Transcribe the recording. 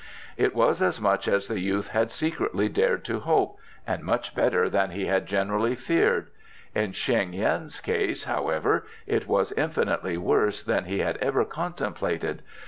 It was as much as the youth had secretly dared to hope, and much better than he had generally feared. In Sheng yin's case, however, it was infinitely worse than he had ever contemplated.